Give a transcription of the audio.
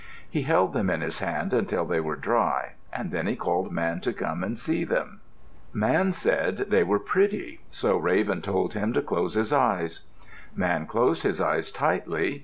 He held them in his hand until they were dry, and then he called Man to come and see them. Man said they were pretty, so Raven told him to close his eyes. Man closed his eyes tightly.